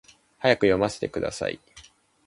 早く読ませてください